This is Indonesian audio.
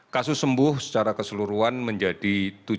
kasus sembuh secara keseluruhan menjadi tujuh